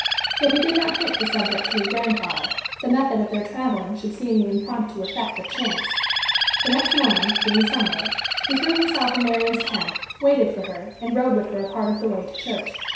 Yet he did not hint the subject to his grandfather the method of their traveling should seem the impromptu effect of chance. The next morning being Sunday, he threw himself in Marian's path, waited for her, and rode with her a part of the way to church.